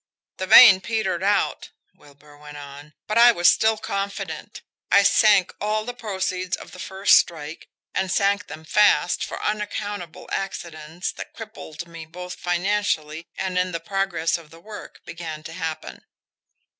"The vein petered out," Wilbur went on. "But I was still confident. I sank all the proceeds of the first strike and sank them fast, for unaccountable accidents that crippled me both financially and in the progress of the work began to happen."